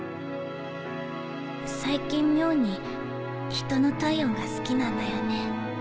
最近妙にひとの体温が好きなんだよね。